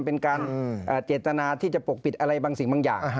เป็นการเจตนาที่จะปกปิดอะไรบางสิ่งบางอย่าง